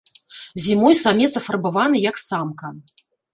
Зімой самец афарбаваны як самка.